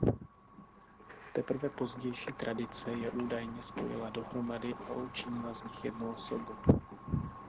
Teprve pozdější tradice je údajně spojila dohromady a učinila z nich jednu osobu.